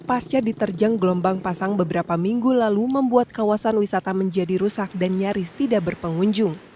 pasca diterjang gelombang pasang beberapa minggu lalu membuat kawasan wisata menjadi rusak dan nyaris tidak berpengunjung